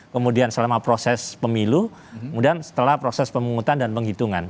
kemudian selama proses pemilu kemudian setelah proses pemungutan dan penghitungan